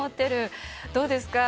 どうですか？